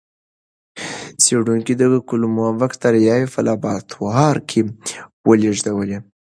څېړونکي د کولمو بکتریاوې په لابراتوار کې ولېږدولې.